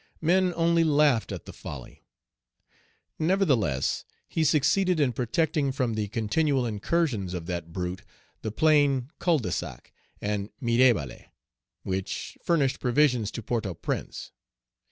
Men only laughed at the folly. Nevertheless, he succeeded in protecting from the continual incursions of that brute the plain Cul de Sac, and Mirebalais, which furnished provisions to Port au Prince.